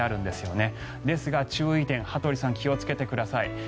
ですが、注意点羽鳥さん、気をつけてください。